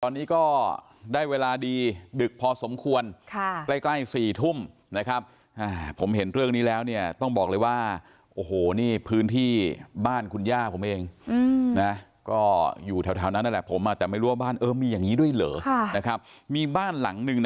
ตอนนี้ก็ได้เวลาดีดึกพอสมควรใกล้๔ทุ่มนะครับผมเห็นเรื่องนี้แล้วเนี่ยต้องบอกเลยว่าโอ้โหนี่พื้นที่บ้านคุณย่าผมเองนะก็อยู่แถวนั้นนั่นแหละผมแต่ไม่รู้ว่าบ้านเออมีอย่างนี้ด้วยเหรอนะครับมีบ้านหลังหนึ่ง